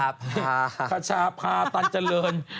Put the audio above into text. ประชาภาษีตันเจริญ